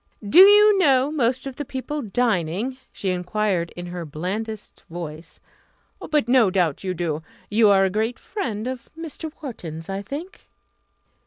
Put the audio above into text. "Do you know most of the people dining?" she enquired in her blandest voice. "But no doubt you do. You are a great friend of Mr. Wharton's, I think?"